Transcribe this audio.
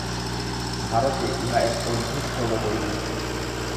ভারতে ইহা এক অদ্ভুত ক্রমপরিণতি।